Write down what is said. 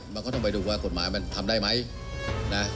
มันก็ต้องไปดูว่ากฎหมายมันทำได้ไหมนะ